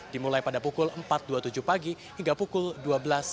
dimulai pada pukul empat dua puluh tujuh pagi hingga pukul dua belas tiga puluh